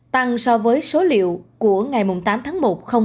tăng so với số liệu của ngày tám tháng một